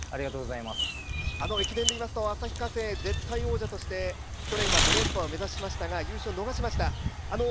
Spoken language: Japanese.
駅伝で言いますと、旭化成、絶対王者として、去年は５連覇を目指しましたが、優勝を逃しました。